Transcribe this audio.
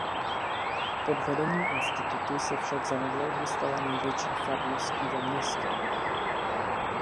Pod vedením Institutu se však zanedlouho stala největší farností ve městě.